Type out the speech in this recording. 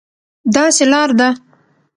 داسې لار ده،